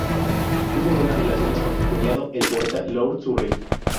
Tuvo buenas relaciones con su cuñado, el poeta Lord Surrey.